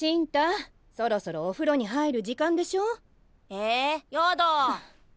えやだ。